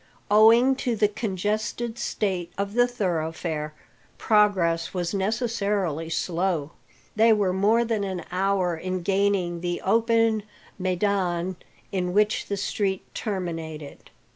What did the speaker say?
Owing to the congested state of the thoroughfare, progress was necessarily slow. They were more than an hour in gaining the open maidan in which the street terminated.